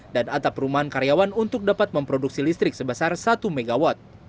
dan atap rumah karyawan untuk dapat memproduksi listrik sebesar satu mw